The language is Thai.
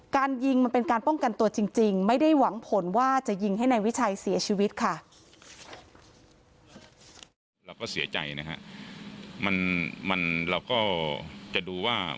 การยิงมันเป็นการป้องกันตัวจริงไม่ได้หวังผลว่าจะยิงให้นายวิชัยเสียชีวิตค่ะ